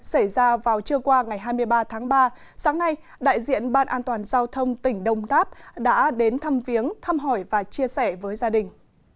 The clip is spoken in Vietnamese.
xảy ra vào trưa qua ngày hai mươi ba tháng ba sáng nay đại diện ban an toàn giao thông tỉnh đồng tháp đã đến thăm viếng thăm hỏi và chia sẻ với gia đình